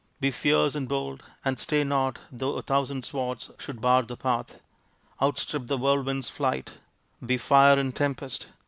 Be fierce and bold and stay not though a thousand swords should bar the path. Outstrip the whirl wind's flight, be fire and tempest